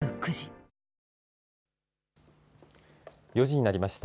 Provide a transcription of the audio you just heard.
４時になりました。